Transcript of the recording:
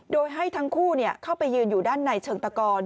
โดยให้ทั้งคู่เข้าไปยืนอยู่ด้านในเชิงตะกอน